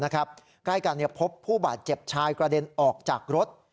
ใกล้กันพบผู้บาดเจ็บชายกระเด็นออกจากรถ